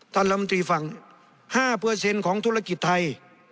ท่านลำดีฟัง๕ของธุรกิจไทย